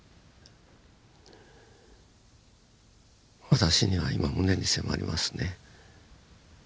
私には今胸に迫りますね。